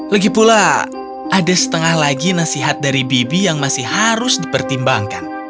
lagipula ada setengah lagi nasihat dari bibi yang masih harus dipertimbangkan